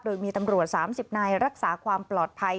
โดยมีตำรวจ๓๐นายรักษาความปลอดภัย